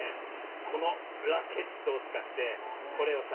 このラケットをつかってこれをさ